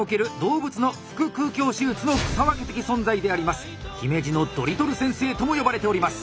金井は日本における姫路のドリトル先生とも呼ばれております。